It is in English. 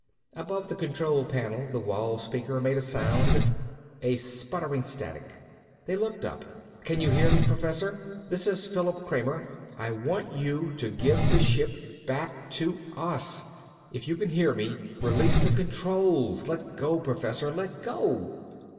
Above the control panel the wall speaker made a sound, a sputtering static. They looked up. "Can you hear me, Professor. This is Philip Kramer. I want you to give the ship back to us. If you can hear me, release the controls! Let go, Professor. Let go!"